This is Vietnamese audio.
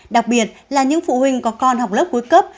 đặc biệt là những phụ huynh có con học lớp cuối cấp